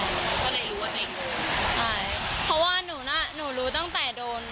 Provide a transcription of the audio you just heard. ก็เลยรู้ว่าตัวเองโดนใช่เพราะว่าหนูน่ะหนูรู้ตั้งแต่โดน